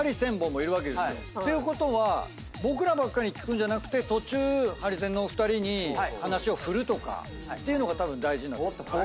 ていうことは僕らばっかりに聞くんじゃなくて途中ハリセンのお二人に話を振るとかっていうのがたぶん大事になってくる。